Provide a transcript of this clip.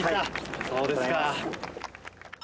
そうですか。